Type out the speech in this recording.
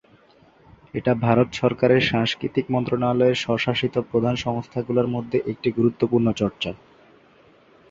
এটা ভারত সরকারের সাংস্কৃতিক মন্ত্রণালয়ের স্বশাসিত প্রধান সংস্থাগুলোর মধ্যে একটার গুরুত্বপূর্ণ চর্চা।